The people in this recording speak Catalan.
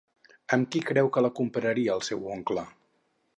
Amb qui creu que la compararia el seu oncle?